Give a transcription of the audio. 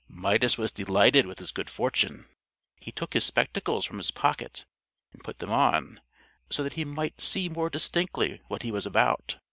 Midas was delighted with his good fortune. He took his spectacles from his pocket and put them on, so that he might see more distinctly what he was about.